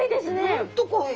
本当濃い。